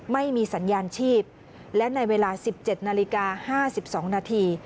ไม่มีสัญญาณชีพและในเวลา๑๗นาฬิกา๕๒นาที